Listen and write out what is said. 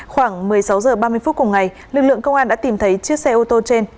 khoảng một mươi sáu h ba mươi phút cùng ngày lực lượng công an đã tìm thấy chiếc xe ô tô trên